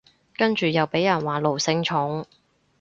跟住又被人話奴性重